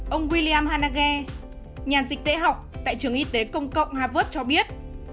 ông william hanage nhà dịch tễ học tại trường y tế công cộng harvard cho biết